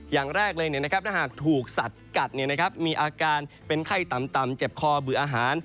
อย่างแรกเลยถ้าหากถูกสัตว์กัดมีอาการเป็นไข้ต่ำเจ็บคอเบื่ออาหาร